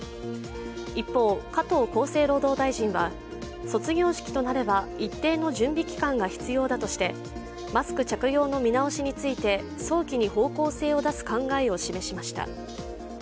一方、加藤厚生労働大臣は卒業式となれば一定の準備期間が必要だとして、マスク着用の見直しについて早期に方向性を出す考えを示しました。